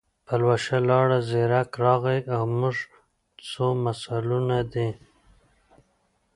پلوشه لاړه، زیرک راغی او موږ ځو مثالونه دي.